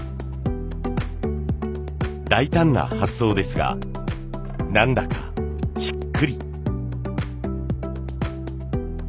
大胆な発想ですが何だかしっくり。